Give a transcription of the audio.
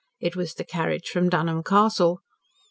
It was the carriage from Dunholm Castle.